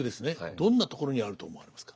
どんなところにあると思われますか？